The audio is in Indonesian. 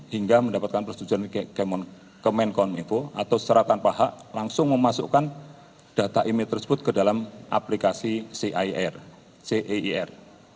hingga mendapatkan persetujuan kemenkom info atau secara tanpa hak langsung memasukkan data email tersebut ke dalam aplikasi ceir